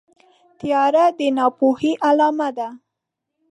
تیاره د ناپوهۍ علامه ده.